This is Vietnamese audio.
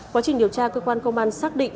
quá trình điều tra cơ quan công an xác định